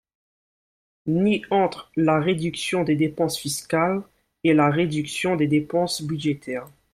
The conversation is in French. Ni entre la réduction des dépenses fiscales et la réduction des dépenses budgétaires.